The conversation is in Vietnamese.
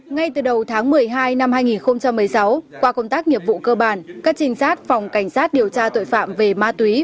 ngay từ đầu tháng một mươi hai năm hai nghìn một mươi sáu qua công tác nghiệp vụ cơ bản các trinh sát phòng cảnh sát điều tra tội phạm về ma túy